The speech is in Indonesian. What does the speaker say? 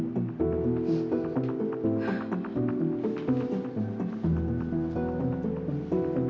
bentar ya bentar ya